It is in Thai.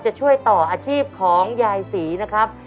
จะช่วยต่ออาชีพของยายศรีนะครับ